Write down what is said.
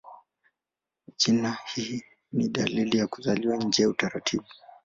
Jina hili ni dalili ya kuzaliwa nje ya utaratibu.